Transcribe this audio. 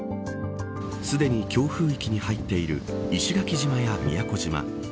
すでに強風域に入っている石垣島や宮古島